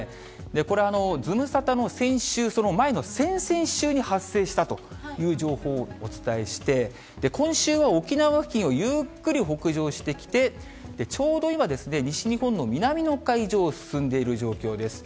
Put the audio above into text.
これ、ズムサタの先週、その前の先々週に発生したという情報をお伝えして、今週は沖縄付近をゆっくり北上してきて、ちょうど今ですね、西日本の南の海上を進んでいる状況です。